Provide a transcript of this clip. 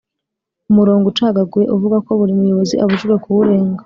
Umurongo ucagaguye uvuga ko buri muyobozi abujijwe kuwurenga